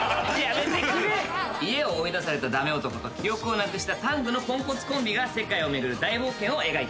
家を追い出されたダメ男と記憶をなくしたタングのポンコツコンビが世界を巡る大冒険を描いています。